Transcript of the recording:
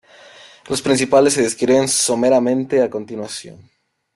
Los principales se describen someramente a continuación.